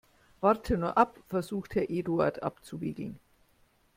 Warte nur ab, versucht Herr Eduard abzuwiegeln.